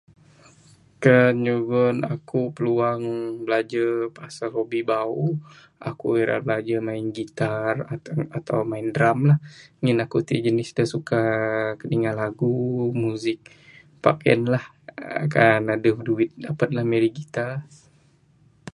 Kan nyugon pluang aku blajer pasel hobi bauh, aku ira blajer main guitar ato... ato main drum, ngin aku ti jenis da suka kidingah lagu, music. Pak hen lah kan adeh duit dapet nan mirih guitar.